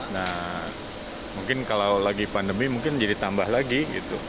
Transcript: nah mungkin kalau lagi pandemi mungkin jadi tambah lagi gitu